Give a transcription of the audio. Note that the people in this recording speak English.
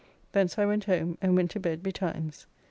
Thence I went home, and went to bed betimes.